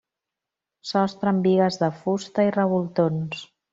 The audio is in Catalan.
Sostre amb bigues de fusta i revoltons.